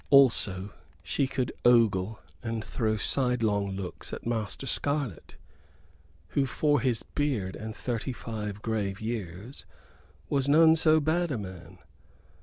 Also she could ogle and throw sidelong looks at Master Scarlett, who, for his beard and thirty five grave years, was none so bad a man.